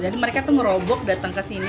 jadi mereka itu merobok datang ke sini